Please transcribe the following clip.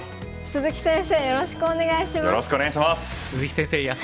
鈴木先生